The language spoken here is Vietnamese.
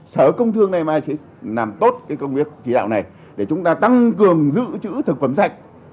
sở công thương ngày mai sẽ làm tốt cái công việc chỉ đạo này để chúng ta tăng cường dự trữ thực phẩm sạch